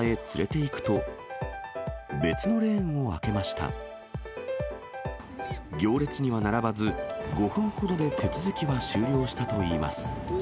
行列には並ばず、５分ほどで手続きは終了したといいます。